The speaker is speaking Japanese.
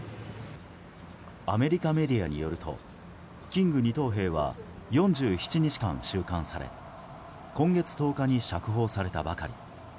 アメリカメディアによるとキング二等兵は４７日間収監され今月１０日に釈放されたばかり。